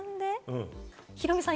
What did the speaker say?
ヒロミさん